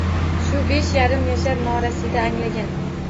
Shu besh yarim yashar norasida anglagan.